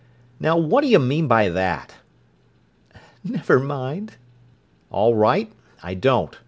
"Now, what do you mean by that?" "Never mind!" "All right, I don't.